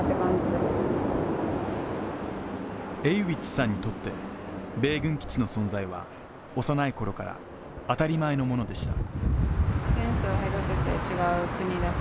Ａｗｉｃｈさんにとって、米軍基地の存在は幼い頃から当たり前のものでした。